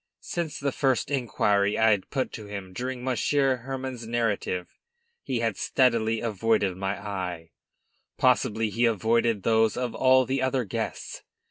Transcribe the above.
Since the first inquiry I had put to him during Monsieur Hermann's narrative, he had steadily avoided my eye. Possibly he avoided those of all the other guests.